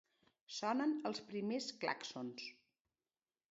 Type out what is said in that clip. Sonen els primers clàxons.